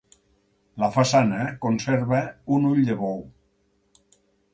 La façana conserva un ull de bou.